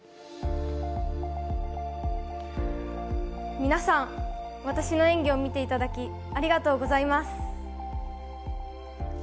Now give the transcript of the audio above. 皆さん、私の演技を見ていただき、ありがとうございます。